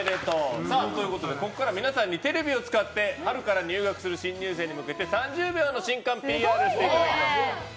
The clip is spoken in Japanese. ここからは皆さんにテレビを使って春から入学する新入生に向けて３０秒の新歓ＰＲをしていただきます。